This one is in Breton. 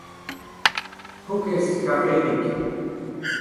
Paour-kaezh karedig !